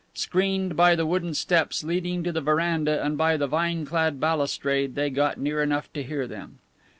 Screened by the wooden steps leading to the veranda and by the vine clad balustrade, they got near enough to hear them.